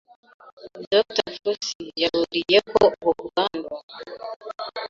Dr Fauci yaburiye ko ubu bwandu